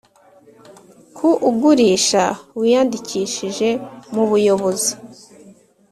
Ku ugurisha wiyandikishije mu buyobozi